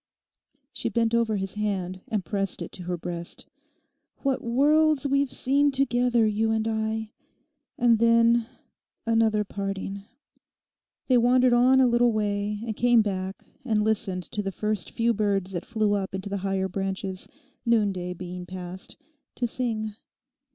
She bent over his hand and pressed it to her breast. 'What worlds we've seen together, you and I. And then—another parting.' They wandered on a little way, and came back and listened to the first few birds that flew up into the higher branches, noonday being past, to sing.